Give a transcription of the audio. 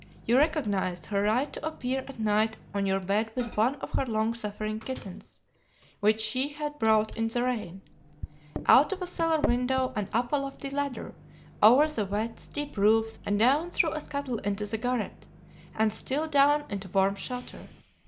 You recognized her right to appear at night on your bed with one of her long suffering kittens, which she had brought in the rain, out of a cellar window and up a lofty ladder, over the wet, steep roofs and down through a scuttle into the garret, and still down into warm shelter.